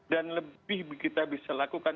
dan lebih kita bisa lakukan